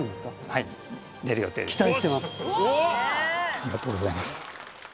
ありがとうございます